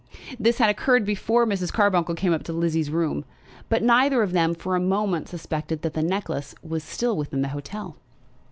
This had occurred before Mrs. Carbuncle came up to Lizzie's room; but neither of them for a moment suspected that the necklace was still within the hotel.